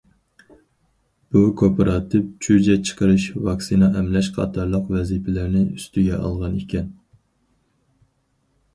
بۇ كوپىراتىپ چۈجە چىقىرىش، ۋاكسىنا ئەملەش قاتارلىق ۋەزىپىلەرنى ئۈستىگە ئالغان ئىكەن.